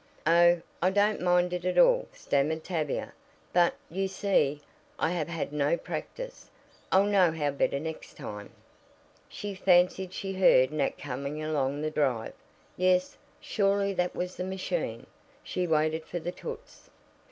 "Oh, I don't mind it at all," stammered Tavia, "but, you see, I have had no practice. I'll know how better next time." She fancied she heard Nat coming along the drive. Yes, surely that was the machine. She waited for the toots.